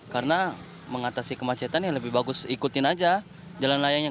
karena mengatasi kemacetan yang lebih bagus ikutin aja jalan layangnya